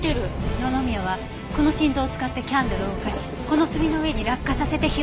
野々宮はこの振動を使ってキャンドルを動かしこの炭の上に落下させて火をつけた。